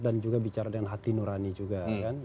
dan juga bicara dengan hati nurani juga